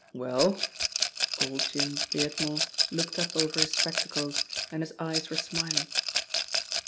"Well?" Old Jim Beardmore looked up over his spectacles and his eyes were smiling.